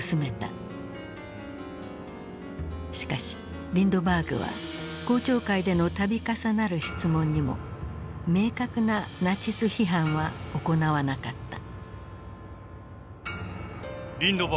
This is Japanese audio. しかしリンドバーグは公聴会での度重なる質問にも明確なナチス批判は行わなかった。